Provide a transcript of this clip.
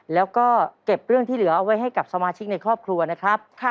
แล้วก็เก็บเรื่องที่เหลือเอาไว้ให้กับสมาชิกในครอบครัวนะครับ